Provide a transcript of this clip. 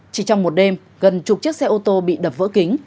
chỉ trong một đêm gần chục chiếc xe ô tô bị đập vỡ kính